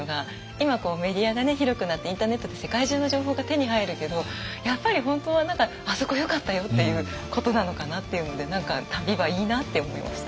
今メディアが広くなってインターネットで世界中の情報が手に入るけどやっぱり本当は「あそこよかったよ！」っていうことなのかなっていうので何か旅はいいなって思いました。